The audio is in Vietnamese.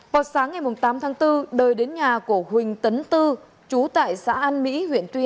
vào sáng ngày tám tháng bốn đời đến nhà của huỳnh tấn tư chú tại xã an mỹ huyện tuy